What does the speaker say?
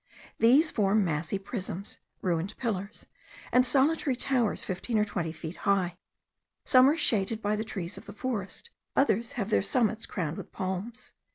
These form massy prisms, ruined pillars, and solitary towers fifteen or twenty feet high. Some are shaded by the trees of the forest, others have their summits crowned with palms.